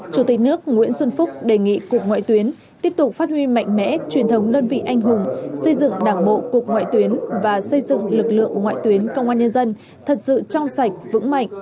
chủ tịch nước nguyễn xuân phúc đề nghị cục ngoại tuyến tiếp tục phát huy mạnh mẽ truyền thống đơn vị anh hùng xây dựng đảng bộ cục ngoại tuyến và xây dựng lực lượng ngoại tuyến công an nhân dân thật sự trong sạch vững mạnh